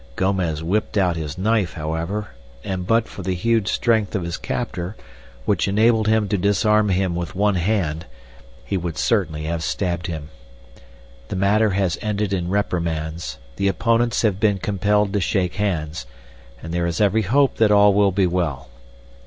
Gomez whipped out his knife, however, and but for the huge strength of his captor, which enabled him to disarm him with one hand, he would certainly have stabbed him. The matter has ended in reprimands, the opponents have been compelled to shake hands, and there is every hope that all will be well.